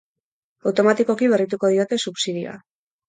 Automatikoki berrituko diote subsidioa.